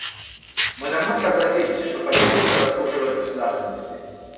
Мы давно согласились, что палестинцы заслуживают государственности.